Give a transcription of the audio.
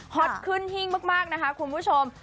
อตขึ้นหิ้งมากนะคะคุณผู้ชม